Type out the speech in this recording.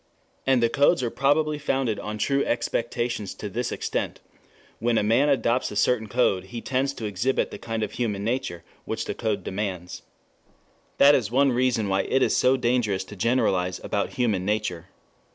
And the codes are probably founded on true expectations to this extent, that when a man adopts a certain code he tends to exhibit the kind of human nature which the code demands. That is one reason why it is so dangerous to generalize about human nature.